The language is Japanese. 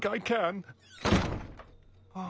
ああ。